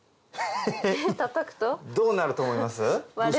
どうなると思います？